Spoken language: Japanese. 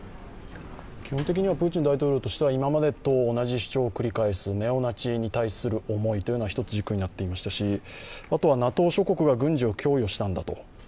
基本的にはプーチン大統領としては、今までと同じ主張を繰り返す、ネオナチに対する思いというのが１つ軸になっていましたし、あとはＮＡＴＯ諸国が軍事を供与したんだと。